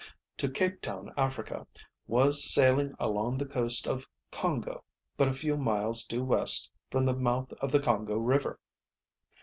to Cape Town, Africa, was sailing along the coast of Congo but a few miles due west from the mouth of the Congo River.